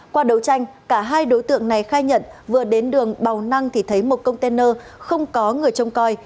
qua đấu tranh cả hai đối tượng này khai nhận vừa đến đường bào năng thì thấy một container không có người trông coi